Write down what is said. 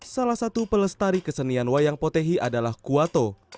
salah satu pelestari kesenian wayang potehi adalah kuato